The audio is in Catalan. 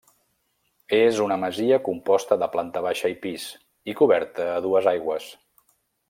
És una masia composta de planta baixa i pis, i coberta a dues aigües.